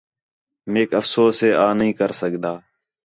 میک افسوس ہے آں نھیں کر سڳدا